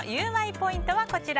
ポイントはこちら。